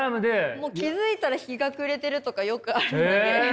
気付いたら日が暮れてるとかよくあるので。